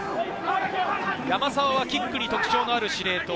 山沢はキックに特徴のある司令塔。